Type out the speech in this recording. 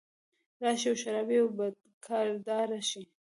راشي او شرابي او بدکرداره شي